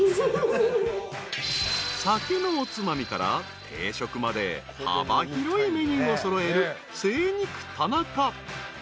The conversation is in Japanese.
［酒のおつまみから定食まで幅広いメニューを揃える精肉田中］